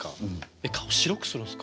えっ顔白くするんすか？